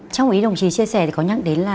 trong ý đồng chí chia sẻ thì có nhắc đến là